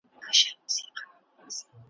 په ځنګله ننوتلی وو بېغمه ,